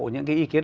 những cái ý kiến